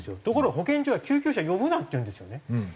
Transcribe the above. ところが保健所は「救急車呼ぶな」って言うんですよね。